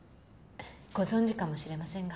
ご存じかもしれませんが。